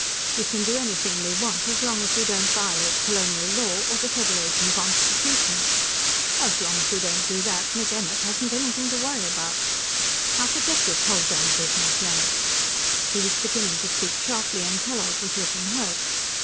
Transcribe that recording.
We can do anything we want as long as we don't violate colonial law or the Federation Constitution. As long as we don't do that, Nick Emmert hasn't anything to worry about. Now forget this whole damned business, Leonard!" He was beginning to speak sharply, and Kellogg was looking hurt.